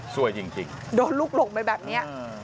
จริงโดนลูกหลงไปแบบนี้